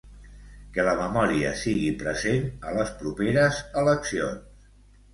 Que la memòria sigui present a la properes eleccions.